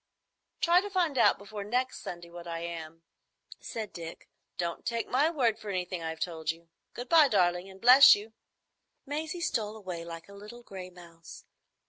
"Try to find out before next Sunday what I am," said Dick. "Don't take my word for anything I've told you. Good bye, darling, and bless you." Maisie stole away like a little gray mouse.